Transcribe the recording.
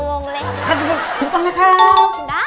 ถูกต้องถูกต้องแหละครับ